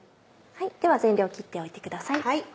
では全量切っておいてください。